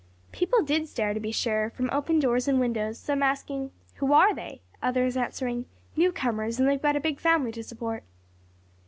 People did stare to be sure, from open doors and windows, some asking, "Who are they?" others answering "New comers and they've got a big family to support."